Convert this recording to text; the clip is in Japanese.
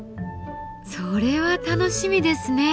それは楽しみですねえ。